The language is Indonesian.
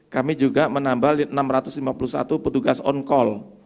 kami juga menambah enam ratus lima puluh satu petugas on call